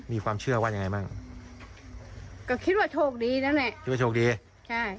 มีความเชื่อว่ายังไงบ้างก็คิดว่าโชคดีนั่นแหละคิดว่าโชคดีใช่